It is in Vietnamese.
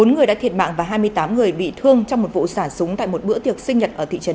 bốn người đã thiệt mạng và hai mươi tám người bị thương trong một vụ xả súng tại một bữa tiệc sinh nhật ở thị trấn